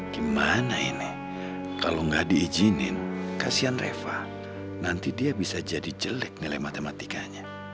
gimana ini kalo gak diijinin kasihan reva nanti dia bisa jadi jelek nilai matematikanya